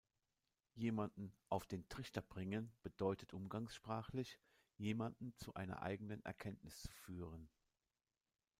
Jemanden "auf den Trichter bringen" bedeutet umgangssprachlich „jemanden zu einer eigenen Erkenntnis zu führen“.